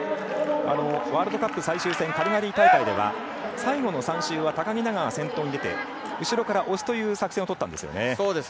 ワールドカップ最終戦の大会では最後の３周は高木菜那が先頭に出て後ろから押すという作戦をとったんですよね。